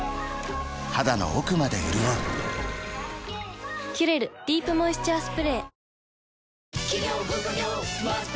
肌の奥まで潤う「キュレルディープモイスチャースプレー」